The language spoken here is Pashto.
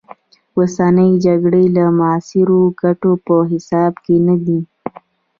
اوسنۍ جګړې د معاصرو ګټو په حساب کې نه دي.